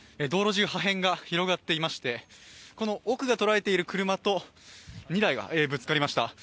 道路中、破片が広がっていましてこの奥が捉えている車と２台がぶつかりました。